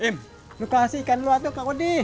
im lu kasih ikan lu satu kak wudi